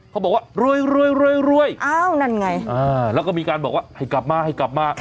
เขาบอกว่ารวยรวยอ้าวนั่นไงแล้วก็มีการบอกว่าให้กลับมาให้กลับมา